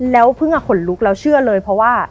แล้วเพิ่งขนลุกแล้วเชื่อเลยเพราะว่า